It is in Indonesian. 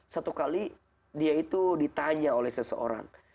satu kali dia itu ditanya oleh seseorang